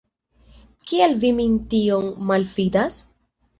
Kial vi min tiom malﬁdas?